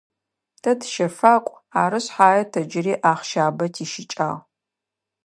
Тэ тыщэфакӏу, ары шъхьае тэ джыри ахъщабэ тищыкӏагъ.